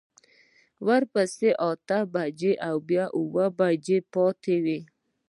ورپسې اته پنځوس بيا اوه پنځوس پاتې وي.